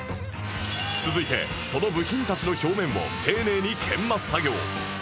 続いてその部品たちの表面を丁寧に研磨作業